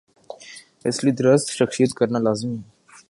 اس لئے درست تشخیص کرنالازمی ہے۔